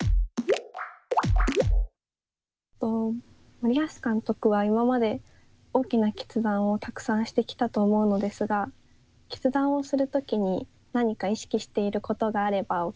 森保監督は今まで大きな決断をたくさんしてきたと思うのですが決断をする時に何か意識していることがあればお聞きしたいです。